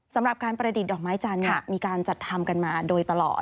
สำหรับการประดิษฐ์ดอกไม้จันทร์มีการจัดทำกันมาโดยตลอด